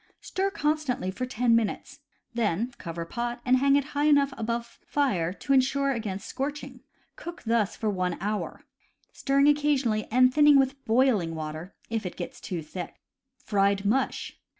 Stir constantly for ten minutes. Then cover pot and hang it high enough above fire to insure against scorching. Cook thus for one hour, stirring occasionally, and thinning with hailing water if it gets too thick. Fried Mush.